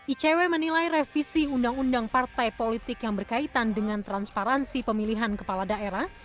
icw menilai revisi undang undang partai politik yang berkaitan dengan transparansi pemilihan kepala daerah